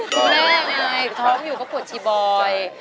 ก็ได้ไงพร้อมอยู่ก็พูดชีบ่อย